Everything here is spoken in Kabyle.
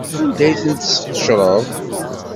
Anda ay ten-tesqecreḍ?